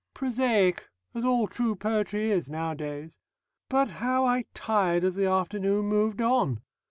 _' "Prosaic! As all true poetry is, nowadays. But, how I tired as the afternoon moved on!